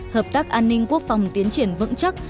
hợp tác an ninh quốc phòng tiến triển vững chắc